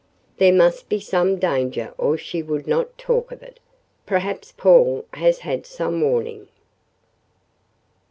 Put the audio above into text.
There must be some danger or she would not talk of it. Perhaps Paul has had some warning."